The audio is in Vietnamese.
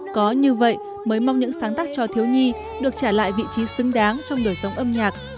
có như vậy mới mong những sáng tác cho thiếu nhi được trả lại vị trí xứng đáng trong đời sống âm nhạc